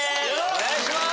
お願いします。